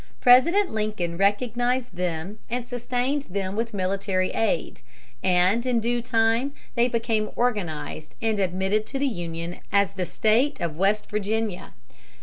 President Lincoln recognized them and sustained them with military aid; and in due time they became organized and admitted to the Union as the State of West Virginia.